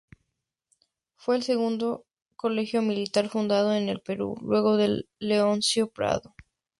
Fue el segundo colegio militar fundado en el Perú, luego del Leoncio Prado.